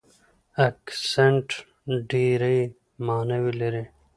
اکسنټ ډېرې ماناوې لري.